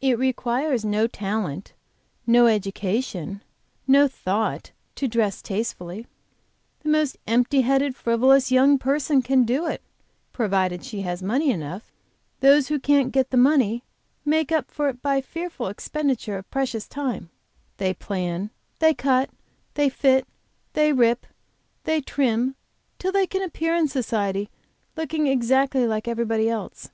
It requires no talent, no education, no thought to dress tastefully; the most empty hearted frivolous young person can do it, provided she has money enough. Those who can't get the money make up for it by fearful expenditure of precious time. They plan, they cut, they fit, they rip, they trim till they can appear in society looking exactly like everybody else.